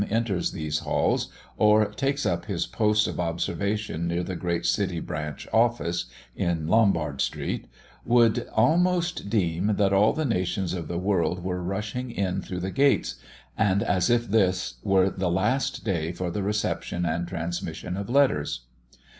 enters these halls, or takes up his post of observation near the great City Branch Office, in Lombard street, would almost deem that all the nations of the world were rushing in through the gates, and as if this were the last day for the reception and transmission of letters.